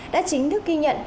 đã chính thức ghi nhận